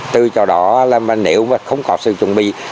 từ chỗ đó là nếu mà không có sự chuẩn bị